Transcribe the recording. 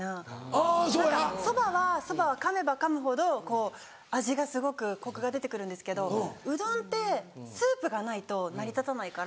あぁそうや。そばはかめばかむほど味がすごくコクが出てくるんですけどうどんってスープがないと成り立たないから。